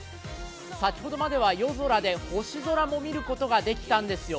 先ほどまでは夜空で星空も見ることができたんですよ。